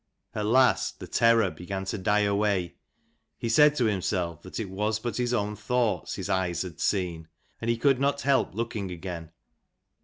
At last the terror began to die away. He said to himself that it was but his own thoughts his eyes had seen ; and he could not help looking again.